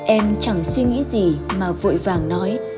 em chẳng suy nghĩ gì mà vội vàng nói